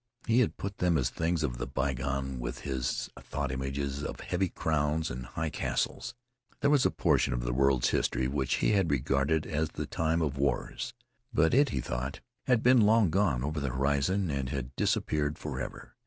He had put them as things of the bygone with his thought images of heavy crowns and high castles. There was a portion of the world's history which he had regarded as the time of wars, but it, he thought, had been long gone over the horizon and had disappeared forever.